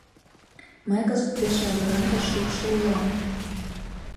— Мый кызыт пеш лавыран да шӱкшӧ улам.